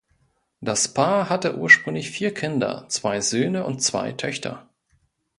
Das Paar hatte ursprünglich vier Kinder, zwei Söhne und zwei Töchter.